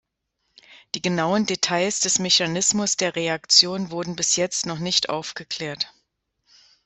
Die genauen Details des Mechanismus der Reaktion wurden bis jetzt noch nicht aufgeklärt.